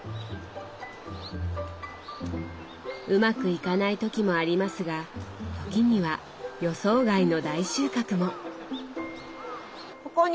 うまくいかない時もありますが時には予想外の大収穫も。